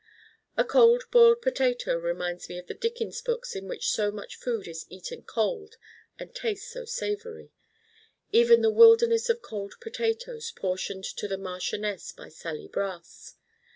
A Cold Boiled Potato reminds me of the Dickens books in which so much food is eaten cold and tastes so savory even the 'wilderness of cold potatoes' portioned to the Marchioness by Sally Brass.